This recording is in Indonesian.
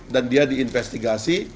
dan dia diinvestigasi